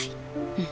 うん。